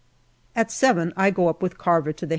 At seven I go up with Carver to the H.